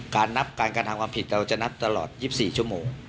นับการการทำความผิดเราจะนับตลอด๒๔ชั่วโมง